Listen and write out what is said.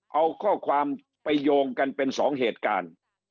เอาข้อความไปโยงกันเป็นสองเหตุการณ์